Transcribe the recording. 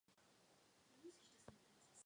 Velmi nás mrzí situace v Itálii.